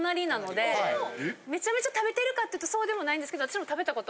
めちゃめちゃ食べてるかっていうとそうでもないんですけど。